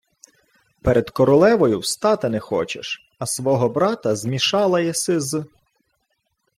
— Перед королевою встати не хочеш, а свого брата змішала єси з...